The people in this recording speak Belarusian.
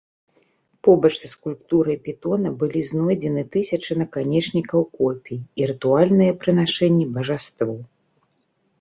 Побач са скульптурай пітона былі знойдзены тысячы наканечнікаў копій і рытуальныя прынашэнні бажаству.